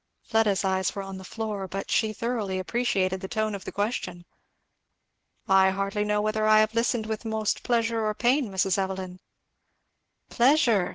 Fleda's eyes were on the floor, but she thoroughly appreciated the tone of the question. "I hardly know whether I have listened with most pleasure or pain, Mrs. Evelyn." "Pleasure!"